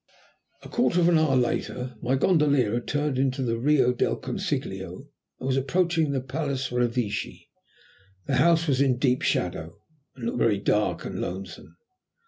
A quarter of an hour later my gondolier had turned into the Rio del Consiglio, and was approaching the Palace Revecce. The house was in deep shadow, and looked very dark and lonesome.